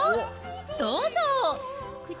どうぞ。